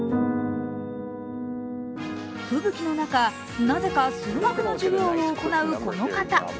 吹雪の中、なぜか数学の授業を行うこの方。